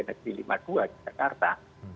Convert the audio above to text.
negeri lima puluh dua di jakarta